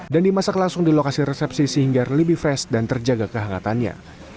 dan dimasak langsung di lokasi resepsi sehingga lebih fresh dan terjaga kehangatannya